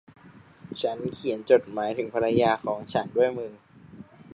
ฉันเขียนจดหมายถึงภรรยาของฉันด้วยมือ